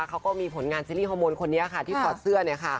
เขาก็มีผลงานซีรีสอร์มูลคนนี้ค่ะที่ถอดเสื้อ